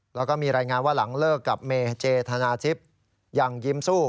แล้วก็มีรายงานว่าหลังเลิกกับเมเจธนาทิพย์ยังยิ้มสู้